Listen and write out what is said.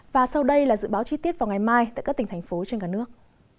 và sau đây là dự báo chi tiết vào ngày mai tại các tỉnh thành phố trên cả nước